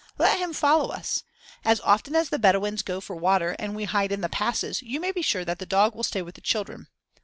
Let him follow us. As often as the Bedouins go for water and we hide in the passes, you may be sure that the dog will stay with the children.